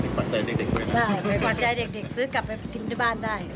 กว่าใจเด็กซื้อกลับไปทิ้งที่บ้านได้